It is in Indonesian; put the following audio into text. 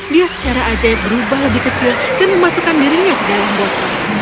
dia secara ajaib berubah lebih kecil dan memasukkan dirinya ke dalam botol